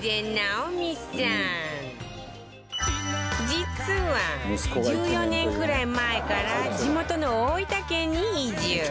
実は１４年くらい前から地元の大分県に移住